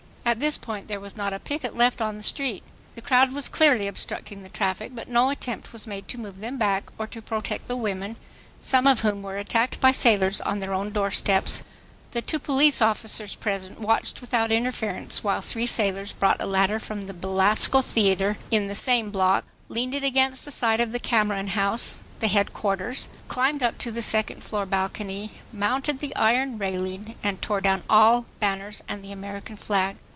At this point there was not a picket left on the street. The crowd was clearly obstructing the traffic, but no attempt was made to move them back or to protect the women, some of whom were attacked by sailors on their own doorsteps. The two police officers present watched without interference while three sailors brought a ladder from the Belasco Theater in the same block, leaned it against the side of the Cameron House, the Headquarters, climbed up to the second floor balcony, mounted the iron railing and tore down all banners and the American flag.